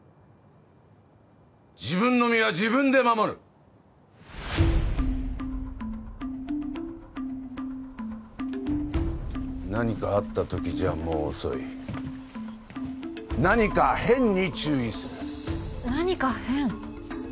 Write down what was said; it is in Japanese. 自分の身は自分で守る「何かあった時」じゃもう遅い「何か変」に注意する何か変？